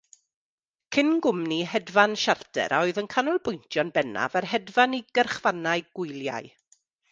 Cyn gwmni hedfan siarter a oedd yn canolbwyntio'n bennaf ar hedfan i gyrchfannau gwyliau.